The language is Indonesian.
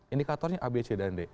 indikatornya a b c dan d